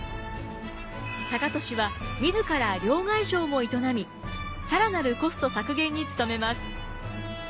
高利は自ら両替商も営み更なるコスト削減に努めます。